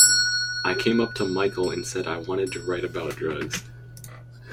I came up to Michael and said I wanted to write about drugs.